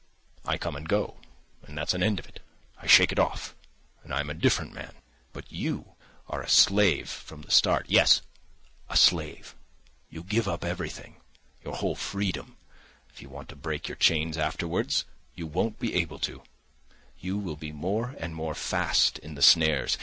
I come and go, and that's an end of it. I shake it off, and I am a different man. But you are a slave from the start. Yes, a slave! You give up everything, your whole freedom. If you want to break your chains afterwards, you won't be able to; you will be more and more fast in the snares.